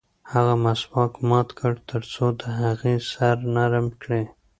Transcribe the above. هغه مسواک مات کړ ترڅو د هغې سر نرم کړي.